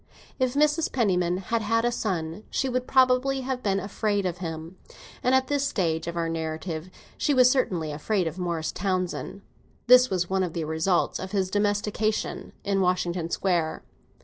If Mrs. Penniman had had a son, she would probably have been afraid of him, and at this stage of our narrative she was certainly afraid of Morris Townsend. This was one of the results of his domestication in Washington Square.